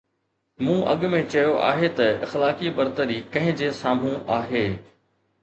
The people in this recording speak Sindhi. مون اڳ ۾ چيو آهي ته اخلاقي برتري ڪنهن جي سامهون آهي.